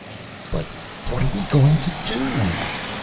"But what are we going to do?"